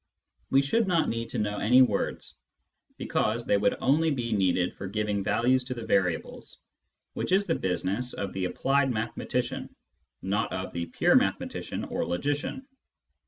We should not need, to know any words, because they would only be needed for giving values to the variables, which is the business of the applied mathematician, not of the pure mathematician or logician.